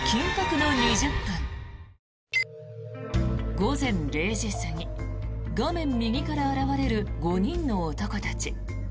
午前０時過ぎ画面右から現れる５人の男たち。